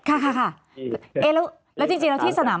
ค่ะแล้วจริงแล้วที่สนาม